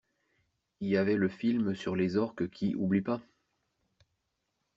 Y avait le film sur les orques qui oublient pas.